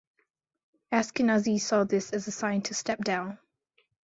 Askenazy saw this as a sign to step down.